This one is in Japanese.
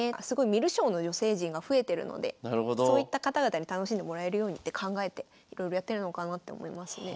観る将の女性陣が増えてるのでそういった方々に楽しんでもらえるようにって考えていろいろやってるのかなって思いますね。